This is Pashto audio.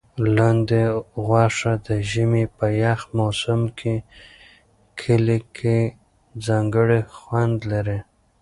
لاندي غوښه د ژمي په یخ موسم کې کلي کې ځانګړی خوند لري.